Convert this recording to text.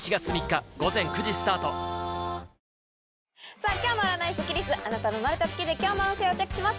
さぁ今日の占いスッキりすあなたの生まれた月で今日の運勢をチェックします